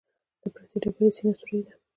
د پرتې ډبرې سینه سورۍ ده.